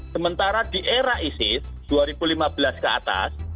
sementara di era isis dua ribu lima belas ke atas